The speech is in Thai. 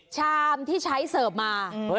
ชามที่ใช้เสิร์ฟมา